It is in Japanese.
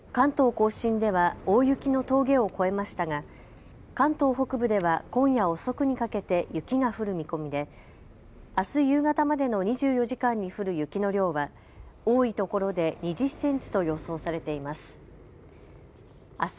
甲信では大雪の峠を越えましたが関東北部では今夜遅くにかけて雪が降る見込みであす夕方までの２４時間に降る雪の量は多い所で２０センチと予想されています。